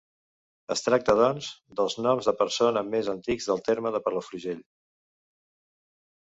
Es tracta, doncs, dels noms de persona més antics del terme de Palafrugell.